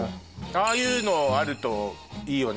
ああいうのあるといいよね。